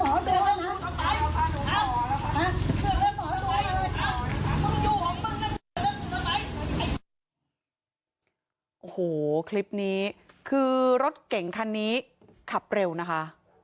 โอ้โหคลิปนี้คือรถเก่งคันนี้ขับเร็วนะคะ